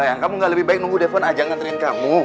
sayang kamu gak lebih baik nunggu depan aja gak ngerin kamu